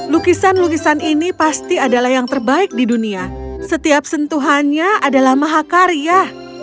lukisan lukisan ini pasti adalah yang terbaik di dunia setiap sentuhannya adalah mahakarya